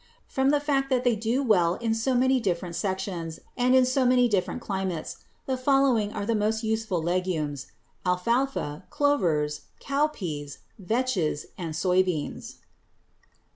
From the fact that they do well in so many different sections and in so many different climates, the following are the most useful legumes: alfalfa, clovers, cowpeas, vetches, and soy beans.